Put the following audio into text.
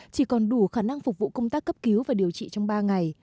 chỉ còn đủ khả năng phục vụ công tác cấp cứu và điều trị trong ba ngày